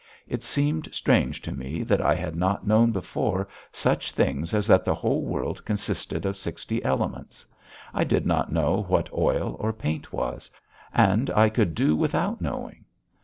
It seemed strange to me that I had not known before such things as that the whole world consisted of sixty elements. I did not know what oil or paint was, and I could do without knowing.